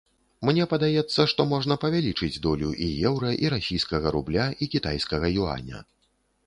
Мне падаецца, што можна павялічыць долю і еўра, і расійскага рубля, і кітайскага юаня.